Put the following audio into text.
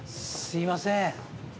すいません。